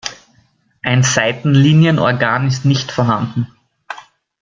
Ein Seitenlinienorgan ist nicht vorhanden.